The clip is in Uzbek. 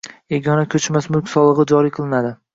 yagona ko‘chmas mulk solig‘i joriy qilinadi.